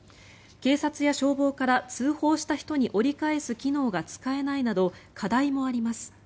警察や消防から通報した人に折り返す機能が使えないなど課題もあります。